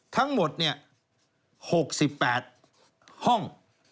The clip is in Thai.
ทั้งหมด๖๘ห้อง